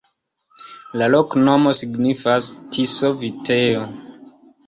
La loknomo signifas: Tiso-vitejo.